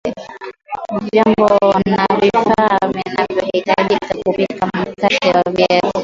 Vyombo na vifaa vinavyahitajika kupika mkate wa viazi lishe